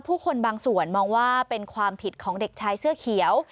ผู้คนบางส่วนมองว่าเป็นความผิดของเด็กชายเสื้อเขียว